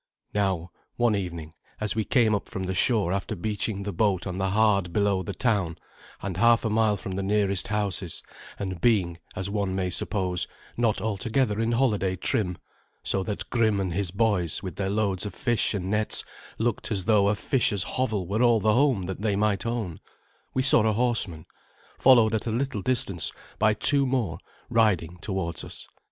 Now, one evening, as we came up from the shore after beaching the boat on the hard below the town, and half a mile from the nearest houses, and being, as one may suppose, not altogether in holiday trim, so that Grim and his boys with their loads of fish and nets looked as though a fisher's hovel were all the home that they might own, we saw a horseman, followed at a little distance by two more, riding towards us.